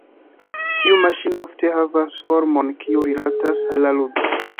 Tiu maŝino ofte havas formon kiu rilatas al la ludo.